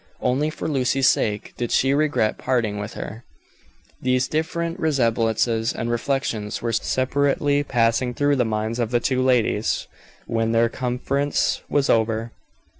Only for Lucy's sake did she regret parting with her. These different resemblances and reflections were separately passing through the minds of the two ladies when their conference was over.